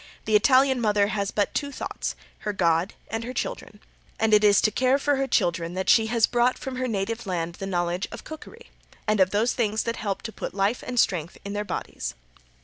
The Italian mother has but two thoughts her God and her children, and it is to care for her children that she has brought from her native land the knowledge of cookery, and of those things that help to put life and strength in their bodies.